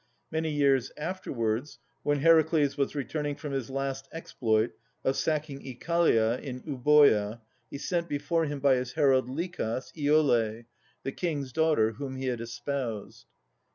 Many years afterwards, when Heracles was returning from his last exploit of sacking Oechalia, in Euboea, he sent before him, by his herald Lichas, Iole, the king's daughter, whom he had espoused.